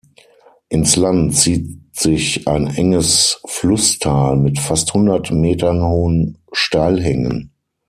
Ins Land zieht sich ein enges Flusstal mit fast hundert Metern hohen Steilhängen.